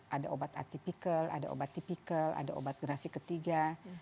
ada obat atipikal ada obat tipikal ada obat gerasi ketiga